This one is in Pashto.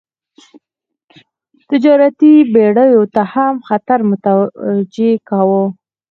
تجارتي بېړیو ته هم خطر متوجه کاوه.